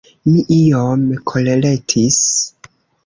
Mi iom koleretis!